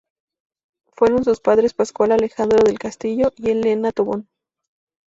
Fueron sus padres Pascual Alejandro del Castillo y Elena Tobón.